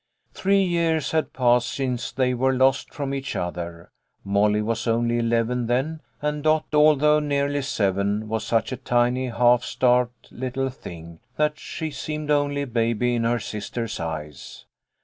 Three years had passed since they were lost from each other. Molly was only eleven then, and Dot, 4ithough nearly seven, was such a tiny, half starved dttle thing that she seemed only a baby in her sister's eyes.